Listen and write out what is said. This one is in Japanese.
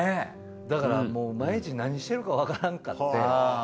だからもう毎日何してるかわからんかって。